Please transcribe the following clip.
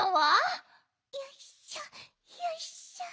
よいしょよいしょ。